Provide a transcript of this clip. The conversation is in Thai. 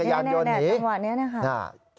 ที่พยายามจะขี่รถจักรยานยนต์หนี